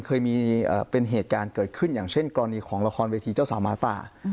เคยมีเป็นเหตุการณ์เกิดขึ้นอย่างเช่นกรณีของละครเวทีเจ้าสาวหมาป่า